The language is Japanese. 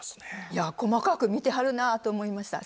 いや細かく見てはるなと思いました。